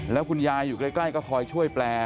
แล้วคุณยายอยู่ใกล้ก็คอยช่วยแปล